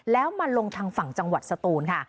แล้วมาลงทางฝั่งจังหวัดสตูนค่ะ